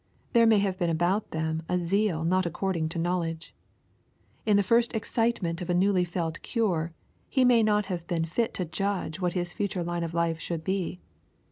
There may have been about them a zeal not according to knowledge. In the first excitement of a newly felt cure, he may not have been fit to judge what his future line of life should be.